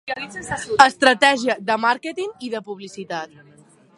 Estratègia de màrqueting i de publicitat.